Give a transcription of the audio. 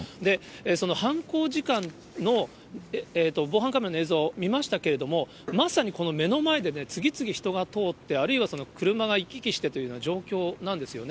その犯行時間の、防犯カメラの映像見ましたけれども、まさにこの目の前でね、次々、人が通って、あるいは車が行き来してというような状況なんですよね。